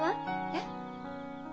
えっ？